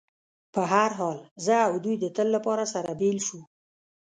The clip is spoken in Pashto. په هر حال، زه او دوی د تل لپاره سره بېل شو.